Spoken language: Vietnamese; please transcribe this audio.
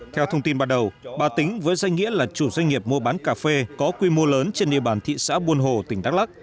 theo thông tin ban đầu bà tính với danh nghĩa là chủ doanh nghiệp mua bán cà phê có quy mô lớn trên địa bàn thị xã buôn hồ tỉnh đắk lắc